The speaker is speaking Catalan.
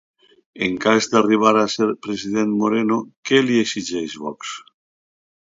En cas d'arribar a ser president Moreno, què li exigeix Vox?